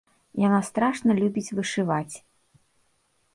Яна страшна любіць вышываць.